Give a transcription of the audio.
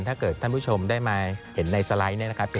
ถ้าเกิดท่านผู้ชมได้มาเห็นในสไลด์